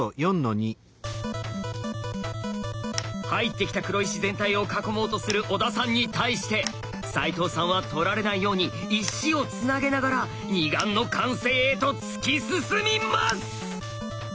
入ってきた黒石全体を囲もうとする小田さんに対して齋藤さんは取られないように石をつなげながら二眼の完成へと突き進みます！